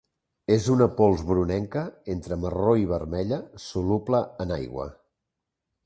És una pols brunenca, entre marró i vermella, soluble en aigua.